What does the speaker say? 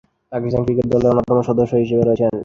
Pakistan cricket দলের অন্যতম সদস্য হিসেবে রয়েছেন।